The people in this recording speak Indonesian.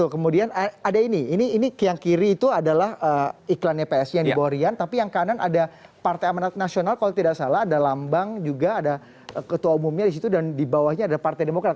kemudian ada ini ini yang kiri itu adalah iklannya psi yang di bawah rian tapi yang kanan ada partai amanat nasional kalau tidak salah ada lambang juga ada ketua umumnya disitu dan di bawahnya ada partai demokrat